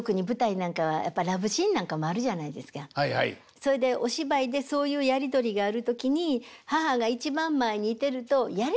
それでお芝居でそういうやり取りがある時に母が一番前にいてるとやりにくいじゃないですか。